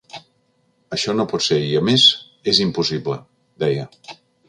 Això no pot ser i, a més, és impossible, deia.